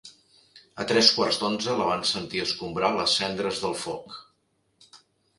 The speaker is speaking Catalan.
A tres quarts d'onze la van sentir escombrar les cendres del foc.